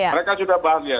mereka sudah bahagia